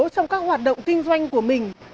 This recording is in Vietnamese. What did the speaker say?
trong các hoạt động kinh doanh của mình